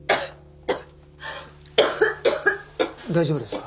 大丈夫ですか？